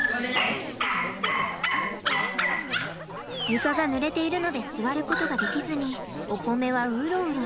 床がぬれているので座ることができずにおこめはウロウロ。